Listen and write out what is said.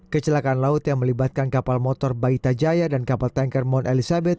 kecelakaan laut yang melibatkan kapal motor baita jaya dan kapal tanker mount elizabeth